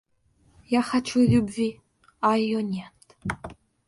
Я хочу любви, а ее нет.